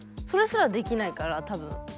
それすらできないから多分。